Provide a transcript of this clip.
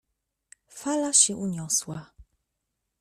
Fala się uniosła.